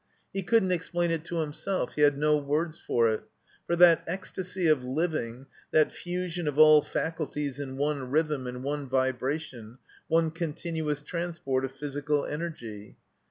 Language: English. He couldn't explain it to himself, he had no words for it, for that ecstasy of living, that fusion of all faculties in one rhythm and one vibration, one continuous transport of physical energy.